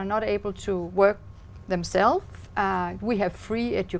cũng có lẽ tôi có thể hỏi you